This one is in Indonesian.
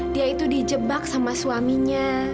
dia itu dijebak sama suaminya